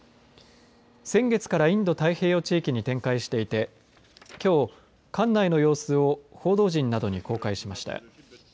先月からインド太平洋地域に展開していてきょう管内の様子を報道陣などに公開しました。